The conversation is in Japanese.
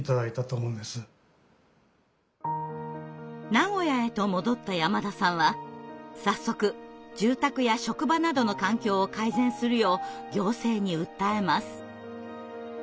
名古屋へと戻った山田さんは早速住宅や職場などの環境を改善するよう行政に訴えます。